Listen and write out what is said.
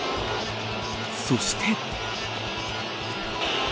そして。